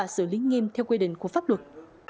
giữ lý nghiêm theo quy định của pháp luật